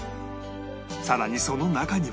さらにその中には